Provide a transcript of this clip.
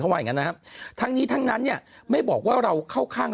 ว่าอย่างงั้นนะครับทั้งนี้ทั้งนั้นเนี่ยไม่บอกว่าเราเข้าข้าง